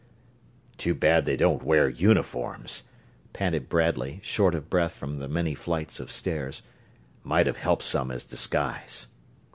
"Too bad they don't wear uniforms," panted Bradley, short of breath from the many flights of stairs. "Might have helped some as disguise."